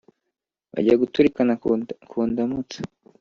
Bajya kuturikana ku Ndamutsa